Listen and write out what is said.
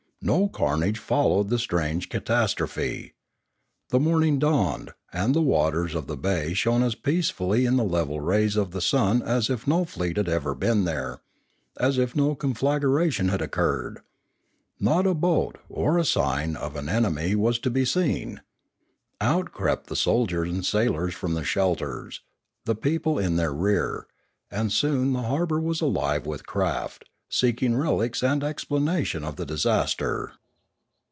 No carnage followed the strange catas trophe. The morning dawned, and the waters of the bay shone as peacefully in the level rays of the sun as if no fleet had ever been there, as if no conflagration had occurred. Not a boat or sign of an enemy was to be seen. Out crept the soldiers and sailors from their shelters, the people in their rear, and soon the harbour was* alive with craft, seeking relics and explanation of the disaster.